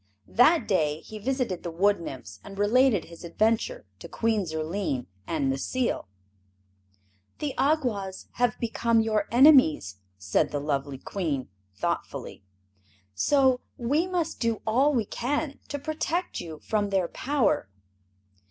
That day he visited the Wood Nymphs and related his adventure to Queen Zurline and Necile. "The Awgwas have become your enemies," said the lovely Queen, thoughtfully; "so we must do all we can to protect you from their power."